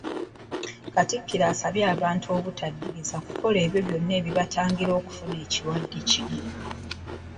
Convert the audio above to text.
Katikkiro asabye abantu obutaddiriza kukola ebyo byonna ebibatangira okufuna ekirwadde kino.